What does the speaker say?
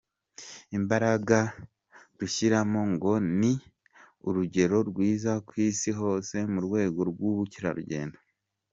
Imbaraga rushyiramo, ngo ni urugero rwiza ku isi hose mu Rwego rw’ubukerarugendo.